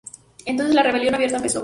Entonces la rebelión abierta empezó.